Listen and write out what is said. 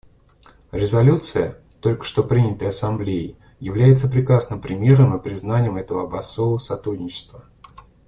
Резолюция, только что принятая Ассамблеей, является прекрасным примером и признанием этого образцового сотрудничества.